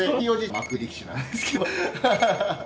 幕内力士なんですけど。